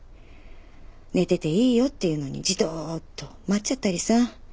寝てていいよっていうのにじとーっと待っちゃったりさ。